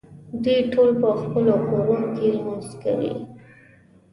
دوی ټول په خپلو کورونو کې لمونځ کوي.